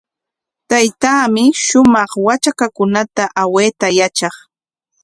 Taytaami shumaq watrakukunata awayta yatraq.